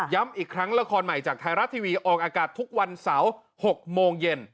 อีกครั้งละครใหม่จากไทยรัฐทีวีออกอากาศทุกวันเสาร์๖โมงเย็น